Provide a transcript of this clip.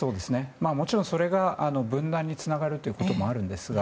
もちろん、それが分断につながることもあるんですが。